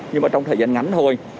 nhưng mà trong thời gian ngắn thôi